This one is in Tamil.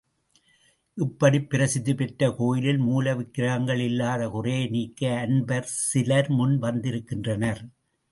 இப்படி பிரசித்தி பெற்ற கோயிலில் மூல விக்கிரகங்கள் இல்லாத குறையை நீக்க அன்பர் சிலர் மூன் வந்திருக்கின்றனர்.